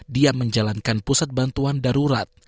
dia menjalankan pusat bantuan darurat